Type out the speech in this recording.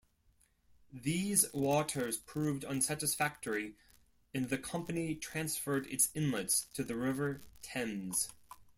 These waters proved unsatisfactory and the company transferred its inlets to the River Thames.